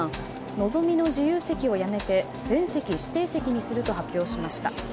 「のぞみ」の自由席をやめて全席指定席にすると発表しました。